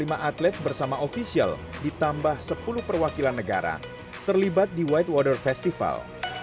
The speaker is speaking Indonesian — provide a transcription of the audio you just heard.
sebanyak satu ratus tujuh puluh lima atlet bersama ofisial ditambah sepuluh perwakilan negara terlibat di whitewater festival